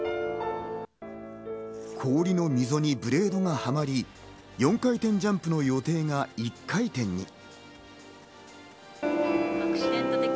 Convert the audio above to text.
氷の溝にブレードがはまり、４回転ジャンプの予定が１回転に。